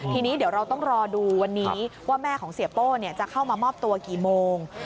ทีนี้เดี๋ยวเราต้องรอดูวันนี้ว่าแม่ของเสียโป้จะเข้ามามอบตัวกี่โมง